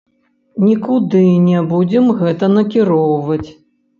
Нікуды не будзем гэта накіроўваць.